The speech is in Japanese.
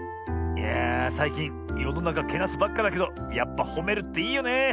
いやあさいきんよのなかけなすばっかだけどやっぱほめるっていいよね。